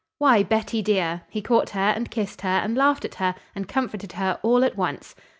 "Why, Betty dear!" He caught her and kissed her and laughed at her and comforted her all at once.